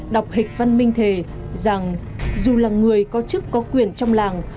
đọc hịch văn minh thề rằng dù là người có chức có quyền trong làng